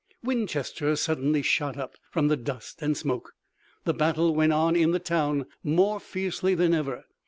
Winchester suddenly shot up from the dust and smoke. The battle went on in the town more fiercely than ever.